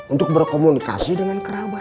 untuk berkomunikasi dengan kerabat